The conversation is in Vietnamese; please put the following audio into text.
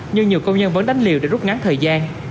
nhưng nhiều công nhân vẫn đánh liều để rút ngắn thời gian